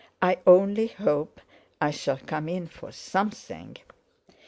I only hope I shall come in for something."